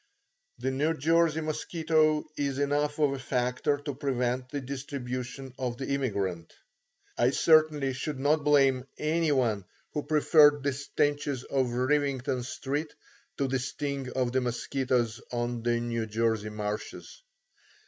The New Jersey mosquito is enough of a factor to prevent the distribution of the immigrant. I certainly should not blame any one who preferred the stenches of Rivington Street to the sting of the mosquitoes on the New Jersey marshes.